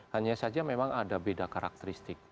hanya saja memang ada beda karakteristik